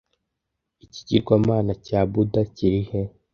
Ikigirwamana cya buda kiri he